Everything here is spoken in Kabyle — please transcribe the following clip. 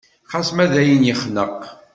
Xas ma dayen yexneq.